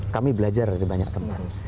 kami belajar di banyak tempat